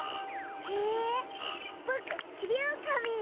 へぇボクちびおおかみ。